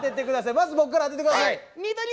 まず僕から当てて下さい。